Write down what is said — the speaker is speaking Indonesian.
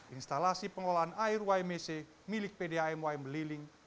instalasi pengolahan air ymec milik pdam ym beliling